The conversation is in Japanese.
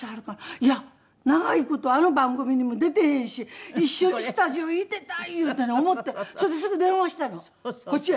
いや長い事あの番組にも出てへんし一緒にスタジオいてたいうてね思ってそれですぐ電話したのこっちへ。